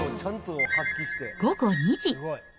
午後２時。